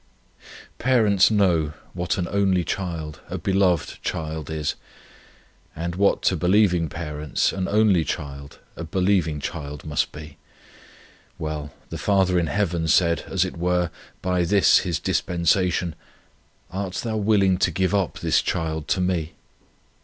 "Parents know what an only child, a beloved child is, and what to believing parents an only child, a believing child must be. Well, the Father in Heaven said, as it were, by this His dispensation, 'Art thou willing to give up this child to me?'